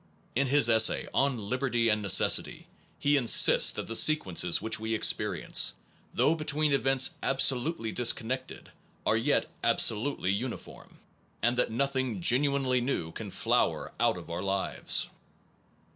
In his essay on liberty and necessity, he insists that the sequences which we experience, though between events absolutely disconnected, are yet absolutely uniform, and that nothing genuinely new can flower out of our lives.